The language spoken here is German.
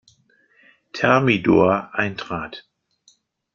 Thermidor eintrat.